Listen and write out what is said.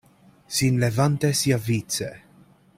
Sin levante siavice: